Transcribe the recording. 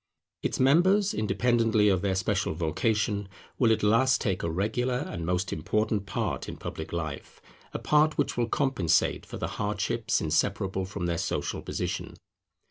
Its members, independently of their special vocation, will at last take a regular and most important part in public life, a part which will compensate for the hardships inseparable from their social position.